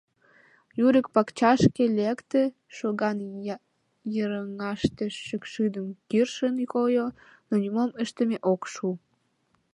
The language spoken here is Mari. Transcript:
Юрик пакчашке лекте, шоган йыраҥыште шӱкшудым кӱршын койо, но нимом ыштыме ок шу.